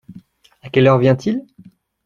À quelle heure vient-il ?